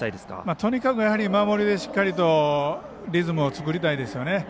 とにかく守りでしっかりとリズムを作りたいですよね。